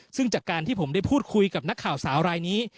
ซึ่งจากการที่ผมได้พูดคุยกับนักข่าวสาวรายนี้